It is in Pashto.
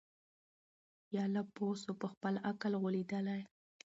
ایله پوه سو په خپل عقل غولیدلی